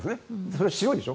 氷は白いでしょ。